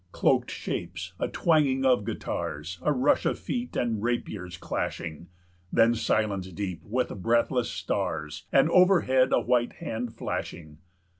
"Cloaked shapes, a twanging of guitars, A rush of feet, and rapiers clashing, 50 Then silence deep with breathless stars, And overhead a white hand flashing.